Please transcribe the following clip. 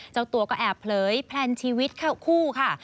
เจ้าตัวก็แอบเผยแพลนชีวิตเข้าคู่ค่ะ